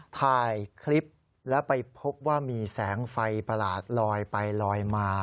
ถ่ายคลิปแล้วไปพบว่ามีแสงไฟประหลาดลอยไปลอยมา